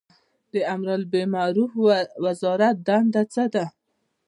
د امربالمعروف وزارت دنده څه ده؟